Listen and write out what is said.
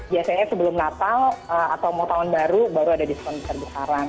biasanya sebelum natal atau mau tahun baru baru ada diskon besar besaran